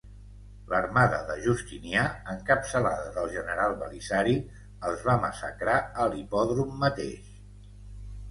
L'armada de Justinià, encapçalada del general Belisari, els va massacrar a l'hipòdrom mateix.